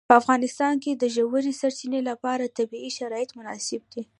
په افغانستان کې د ژورې سرچینې لپاره طبیعي شرایط مناسب دي.